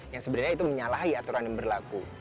yang sebenarnya itu menyalahi aturan yang berlaku